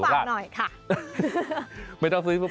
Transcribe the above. ซื้อมาฝากหน่อยค่ะ